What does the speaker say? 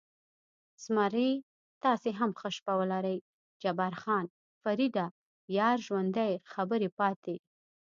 زمري: تاسې هم ښه شپه ولرئ، جبار خان: فرېډه، یار ژوندی، خبرې پاتې.